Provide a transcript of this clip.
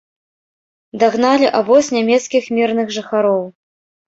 Дагналі абоз нямецкіх мірных жыхароў.